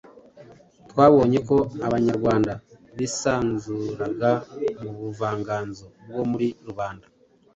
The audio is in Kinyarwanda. Twabonye ko Abanyarwanda bisanzuriraga mu buvanganzo bwo muri rubanda